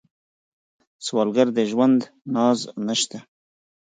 سوالګر د ژوند ناز نشته